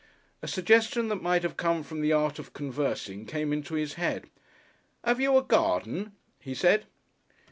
A suggestion that might have come from the Art of Conversing came into his head. "Have you a garden?" he said.